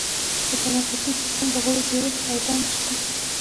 د تنفسي سیستم د غړو جوړښت او دندې شته.